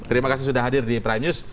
terima kasih sudah hadir di prime news